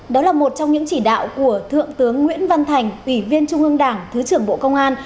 đó là một trong những chỉ đạo của thượng tướng nguyễn văn thành ủy viên trung ương đảng thứ trưởng bộ công an